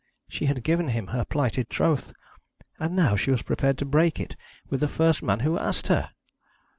She had given him her plighted troth, and now she was prepared to break it with the first man who asked her!